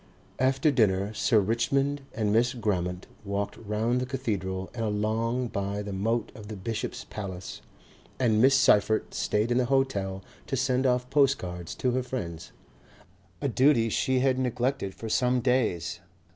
After dinner Sir Richmond and Miss Grammont walked round the cathedral and along by the moat of the bishop's palace, and Miss Seyffert stayed in the hotel to send off postcards to her friends, a duty she had neglected for some days.